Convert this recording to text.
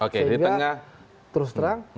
sehingga terus terang